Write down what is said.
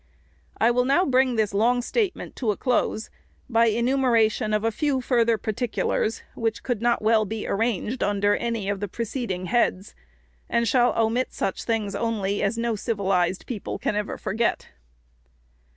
I will now bring this long statement to a close by the enumeration of a few further particulars, which could not well be arranged under any of the preceding heads ; and shall omit such things only as no CIVILIZED people can ever forget.